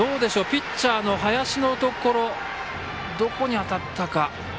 ピッチャーの林のところどこに当たったか。